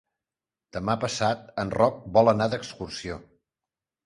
Demà passat en Roc vol anar d'excursió.